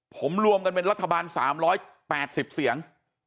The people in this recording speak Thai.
ผมรวมกันเป็นรัฐบาล๓๘๐เสียง